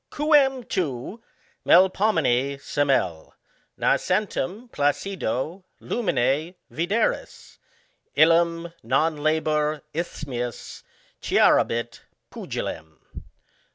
Qucm tu, Melpomene, semel, Nascentem placido luminc vidcris, I Ham non labor isthmius Clarabit Puqilem.